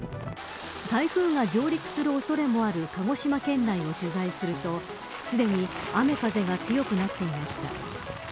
台風が上陸する恐れもある鹿児島県内を取材するとすでに雨風が強くなっていました。